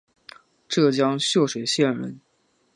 浙江秀水县人。